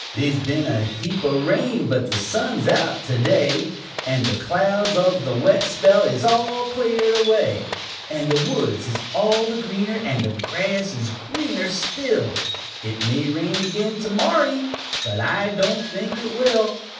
They's been a heap o' rain, but the sun's out to day, And the clouds of the wet spell is all cleared away, And the woods is all the greener, and the grass is greener still; It may rain again to morry, but I don't think it will.